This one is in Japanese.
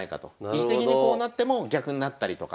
位置的にこうなっても逆になったりとか。